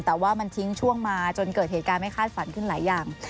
แต่ว่ามันทิ้งช่วงมาจนเกิดเหตุการณ์ไม่คาดฝันขึ้นหลายอย่าง